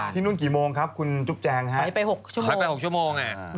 ที่นู่นกี่โมงครับไปออกบ้าน๖ชั่วโมง